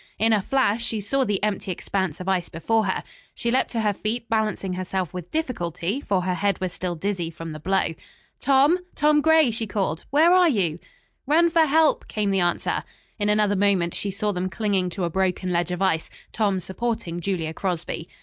In a flash she saw the empty expanse of ice before her. She leaped to her feet, balancing herself with difficulty, for her head was still dizzy from the blow. "Tom! Tom Gray!" she called. "Where are you?" "Run for help!" came the answer. In another moment she saw them clinging to a broken ledge of ice, Tom supporting Julia Crosby.